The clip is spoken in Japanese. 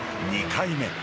２回目。